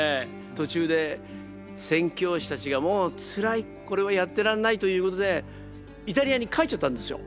途中で宣教師たちがもうつらいこれはやってらんないということでイタリアに帰っちゃったんですよ。